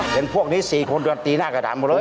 พวกนี้๔คนโดนตีหน้ากระดานหมดเลย